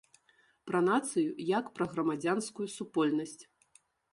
Пра нацыю, як пра грамадзянскую супольнасць.